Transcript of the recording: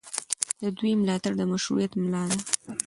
د ولس ملاتړ د مشروعیت ملا ده